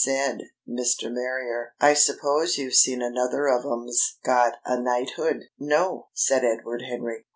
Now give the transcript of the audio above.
Said Mr. Marrier: "I suppose you've seen another of 'em's got a knighthood?" "No," said Edward Henry.